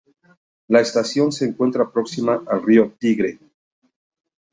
La estación se encuentra próxima al Río Tigre.